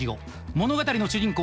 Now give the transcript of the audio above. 物語の主人公